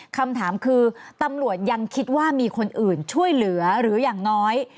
คำถามคือตำรวจยังคิดว่ามีคนอื่นช่วยเหลือหรืออย่างน้อย